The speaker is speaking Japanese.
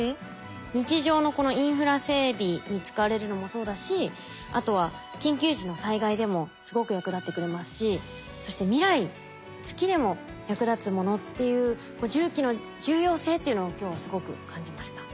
日常のこのインフラ整備に使われるのもそうだしあとは緊急時の災害でもすごく役立ってくれますしそして未来月でも役立つものっていう重機の重要性っていうのを今日はすごく感じました。